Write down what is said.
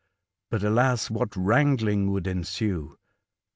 But, alas, what wrangling would ensue